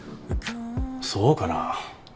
そうかな？